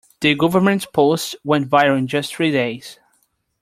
The government's post went viral in just three days.